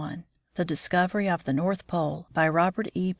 XXL THE DISCOVERY OF THE NORTH POLE BY ROBERT E.